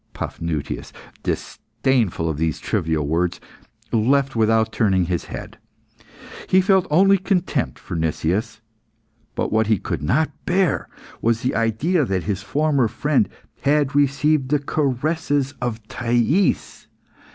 Paphnutius, disdainful of these trivial words, left without turning his head. He felt only contempt for Nicias; but what he could not bear was the idea that his former friend had received the caresses of Thais.